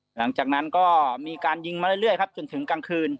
หลังจากนั้นก็มีการยิงมาเรื่อยครับจนถึงกลางคืน